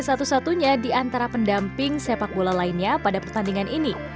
satu satunya di antara pendamping sepak bola lainnya pada pertandingan ini